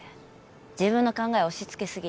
自分の考えを押しつけすぎ。